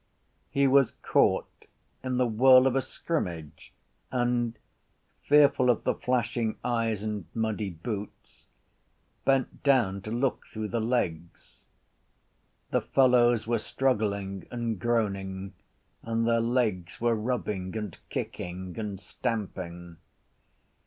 He was caught in the whirl of a scrimmage and, fearful of the flashing eyes and muddy boots, bent down to look through the legs. The fellows were struggling and groaning and their legs were rubbing and kicking and stamping.